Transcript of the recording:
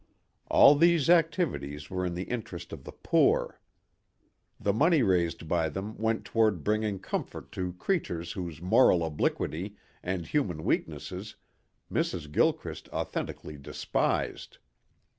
All these activities were in the interest of the poor. The money raised by them went toward bringing comfort to creatures whose moral obliquity and human weaknesses Mrs. Gilchrist authentically despised.